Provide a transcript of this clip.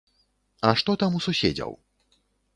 А што там у суседзяў?